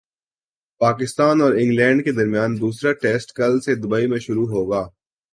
پاکستان اور انگلینڈ کے درمیان دوسرا ٹیسٹ کل سے دبئی میں شروع ہوگا